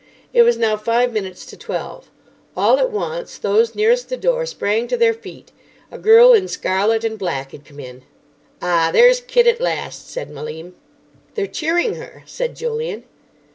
It was now five minutes to twelve. All at once those nearest the door sprang to their feet. A girl in scarlet and black had come in. "Ah, there's Kit at last," said Malim. "They're cheering her," said Julian.